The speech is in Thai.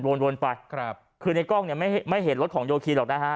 วนวนไปครับคือในกล้องเนี่ยไม่ไม่เห็นรถของโยคีหรอกนะฮะ